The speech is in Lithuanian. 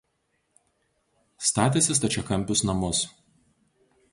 Statėsi stačiakampius namus.